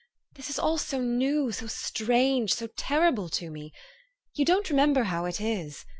This is all so new, so strange, so terrible, to me. You don't remember how it is.